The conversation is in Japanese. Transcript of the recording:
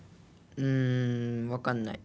うん分かんない。